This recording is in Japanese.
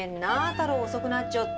太郎遅くなっちょって。